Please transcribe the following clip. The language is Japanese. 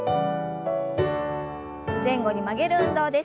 前後に曲げる運動です。